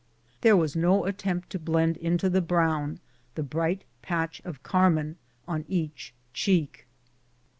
There was no at tempt to blend into the brown the bright patch of car mine on each cheek.